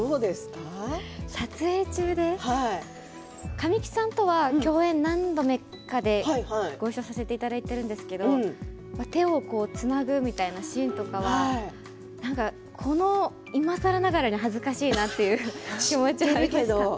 神木さんとは共演が何度目かなんですけどごいっしょさせていただいているんですけど手をつなぐみたいなシーンはいまさらながらに恥ずかしいなという気持ちがあります。